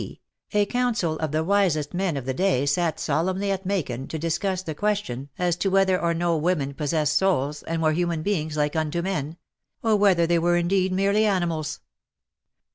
D., a council of the wisest men of the day sat solemnly at Macon to discuss the question as to whether or no women possessed souls and were human beings like unto men, or whether they were indeed merely animals